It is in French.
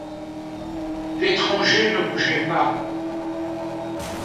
L'étranger ne bougeait pas.